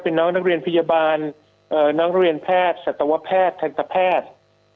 เป็นน้องนักเรียนพยาบาลเอ่อน้องนักเรียนแพทย์ศตวะแพทย์